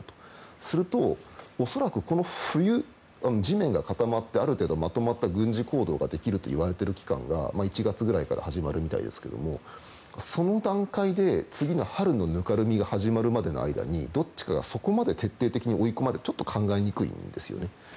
すると、恐らくこの冬、地面が固まってある程度まとまった軍事行動ができるといわれている期間が１月ぐらいから始まるみたいですけどその段階で、次の春のぬかるみが始まるまでの間にどっちかがそこまで徹底的に追い込まれるのは考えにくいんですね。